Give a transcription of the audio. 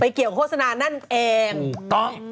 เกี่ยวโฆษณานั่นเองถูกต้อง